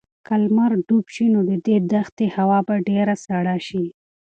که لمر ډوب شي نو د دې دښتې هوا به ډېره سړه شي.